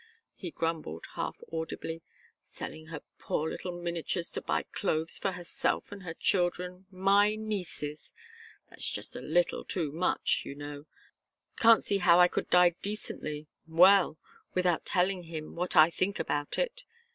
he grumbled, half audibly. "Selling her poor little miniatures to buy clothes for herself and her children my nieces that's just a little too much, you know can't see how I could die decently well without telling him what I think about it.